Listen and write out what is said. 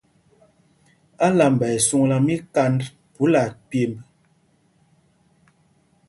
Álamba ɛ swɔŋla míkand phúla pyemb.